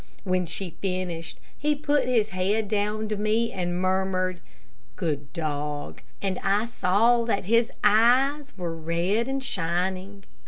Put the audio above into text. When she finished, he put his head down to me, and murmured, "Good dog," and I saw that his eyes were red and shining.